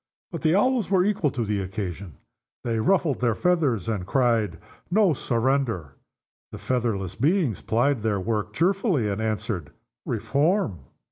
But the Owls were equal to the occasion. They ruffled their feathers, and cried, "No surrender!" The featherless beings plied their work cheerfully, and answered, "Reform!"